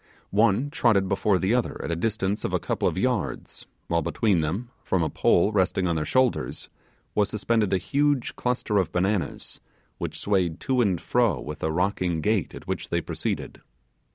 One trotted before the other at a distance of a couple of yards, while between them, from a pole resting on the shoulders, was suspended a huge cluster of bananas, which swayed to and fro with the rocking gait at which they proceeded.